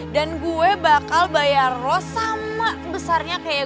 dan gue bakal bayar lo sama sebesarnya kayak gue